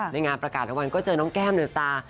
ในงานประกาศก็เจอน้องแก้มเนื้อสา